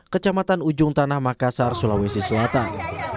kecamatan ujung tanah makassar sulawesi selatan